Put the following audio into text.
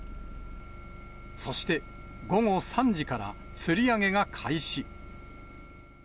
そして、午後３時からつり上げが開始。